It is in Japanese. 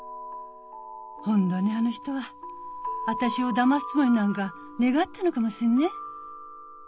本当にあの人は私をだますつもりなんがねがったのがもしんね。